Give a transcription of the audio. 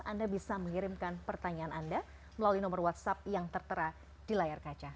anda bisa mengirimkan pertanyaan anda melalui nomor whatsapp yang tertera di layar kaca